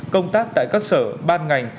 công tác tại các sở ban ngành